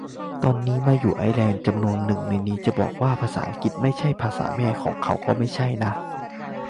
ตอนนี้มาอยู่ไอร์แลนด์ จำนวนนึงในนี้จะบอกว่าภาษาอังกฤษไม่ใช่ "ภาษาแม่" ของเขาก็ไม่ใช่นะ